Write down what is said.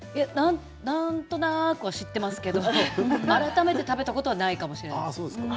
なんとなくは知っていますけど改めて食べたことはないかもしれません。